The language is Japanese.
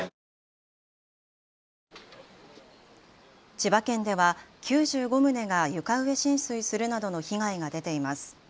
千葉県では９５棟が床上浸水するなどの被害が出ています。